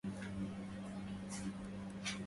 سمع الخلي تأوهي فتلفتا